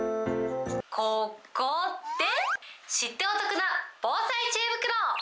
ここで、知ってお得な防災知恵袋。